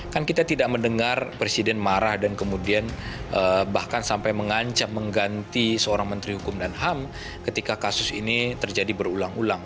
kan kita tidak mendengar presiden marah dan kemudian bahkan sampai mengancam mengganti seorang menteri hukum dan ham ketika kasus ini terjadi berulang ulang